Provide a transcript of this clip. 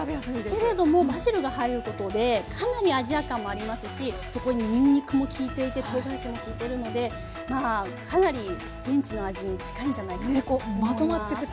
けれどもバジルが入ることでかなりアジア感もありますしそこににんにくも効いていてとうがらしも効いてるのでまあかなり現地の味に近いんじゃないかなと思います。